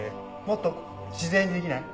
もっと自然にできない？